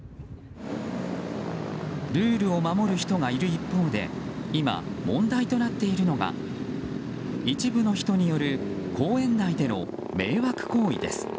ルールを守る人がいる一方で今、問題となっているのが一部の人による公園内での迷惑行為です。